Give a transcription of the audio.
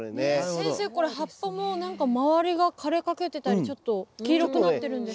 先生これ葉っぱもなんか周りが枯れかけてたりちょっと黄色くなってるんです。